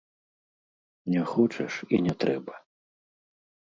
Не хочаш, і не трэба!